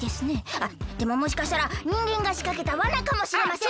あっでももしかしたらにんげんがしかけたわなかもしれません。